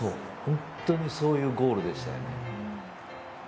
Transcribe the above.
本当にそういうゴールでしたよね。